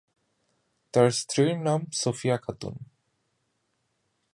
তার স্ত্রীর নাম সুফিয়া খাতুন।